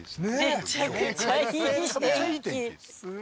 めちゃくちゃいい天気。